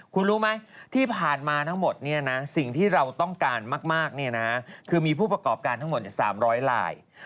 คุณรู้ไหมที่ผ่านมาทั้งหมดสิ่งที่เราต้องการมากคือมีผู้ประกอบการทั้งหมด๓๐๐ลาย